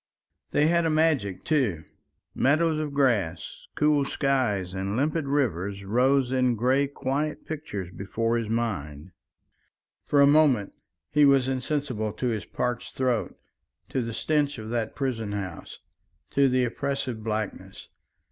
They had a magic, too. Meadows of grass, cool skies, and limpid rivers rose in grey quiet pictures before his mind. For a moment he was insensible to his parched throat, to the stench of that prison house, to the oppressive blackness.